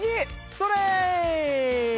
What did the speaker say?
それ！